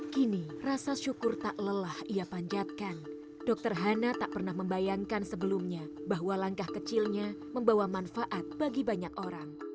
kini rasa syukur tak lelah ia panjatkan dokter hana tak pernah membayangkan sebelumnya bahwa langkah kecilnya membawa manfaat bagi banyak orang